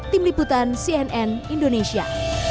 tim liputan cnn indonesia